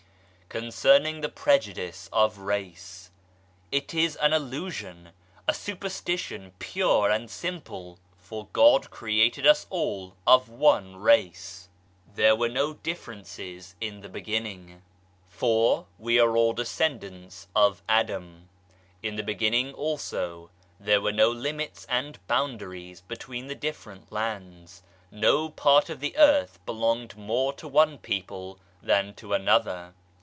Concerning the prejudice of race : it is an illusion, a superstition pure and simple ! For God created us all of one race. There were no differences in the beginning, 138 ABOLITION OF PREJUDICES for we are all descendants of Adam. In the beginning, also, there were no limits and boundaries between the different lands ;] no part of the earth belonged more to one people than to another.